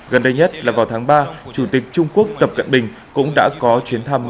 gần đây nhất là vào tháng ba chủ tịch trung quốc tập cận bình cũng đã có chuyến thăm